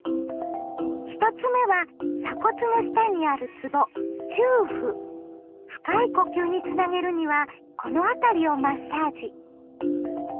１つ目は鎖骨の下にあるつぼ深い呼吸につなげるにはこの辺りをマッサージ。